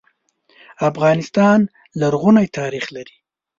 افغانستان لرغونی ناریخ لري.